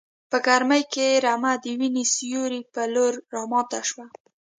په ګرمۍ کې رمه د وینې سیوري په لور راماته شوه.